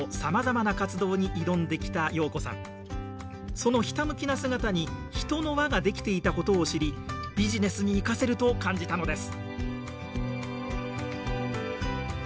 そのひたむきな姿に人の輪が出来ていたことを知りビジネスに生かせると感じたのです。